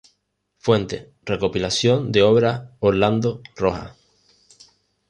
Fuente: Recopilación de Obras Orlando Rojas.